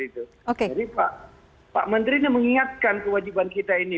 jadi pak menteri mengingatkan kewajiban kita ini